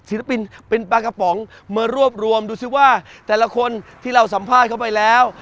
ศิลปินเป็นปลากระป๋องมารวบรวมดูซิว่าแต่ละคนที่เราสัมภาษณ์เข้าไปแล้ว